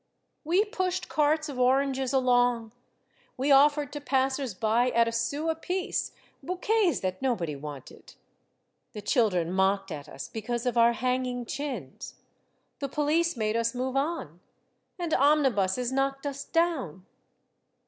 We pushed carts of oranges along, we offered to passers by at a sou apiece bou quets that nobody wanted. The children mocked at us because of our hanging chins, the police made us move on, and omnibuses knocked us down.